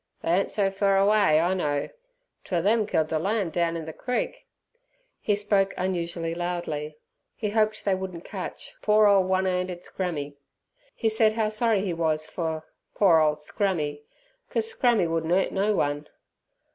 "They ain't so fur away, I know! 'Twar them killed ther lamb down in ther creek." He spoke unusually loudly. He hoped they wouldn't catch "poor ole one 'anded Scrammy". He said how sorry he was for "poor ole Scrammy, cos Scrammy wouldn't 'urt no one.